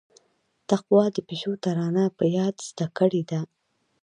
تقوا د پيشو ترانه په ياد زده کړيده.